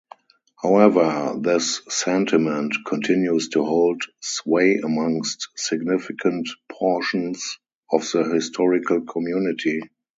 However, this sentiment continues to hold sway amongst significant portions of the historical community.